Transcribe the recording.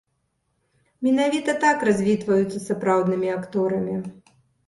Менавіта так развітваюцца з сапраўднымі акторамі.